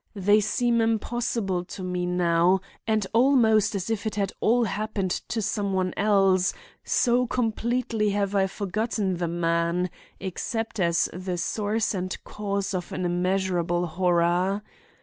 They seem impossible to me now, and almost as if it had all happened to some one else, so completely have I forgotten the man except as the source and cause of an immeasurable horror.